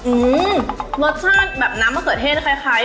อืมรสชาติแบบน้ำมะเขือเทศคล้าย